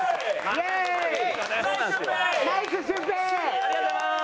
ありがとうございます！